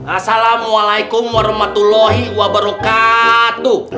assalamualaikum warahmatullahi wabarakatuh